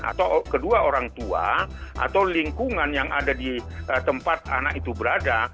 atau kedua orang tua atau lingkungan yang ada di tempat anak itu berada